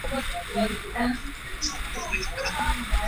本鱼分布于西印度洋的红海及亚丁湾。